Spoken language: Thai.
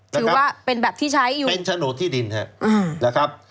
ถือว่าเป็นแบบที่ใช้อยู่เป็นโฉนดที่ดินนะครับ